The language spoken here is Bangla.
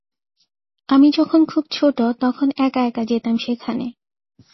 আমি যখন খুব ছোট, তখন একা-একা যেতাম সেখানে।